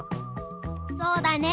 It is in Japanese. そうだね。